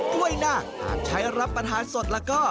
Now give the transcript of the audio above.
กล้วยนาคหากใช้รับประทานสดแล้วก็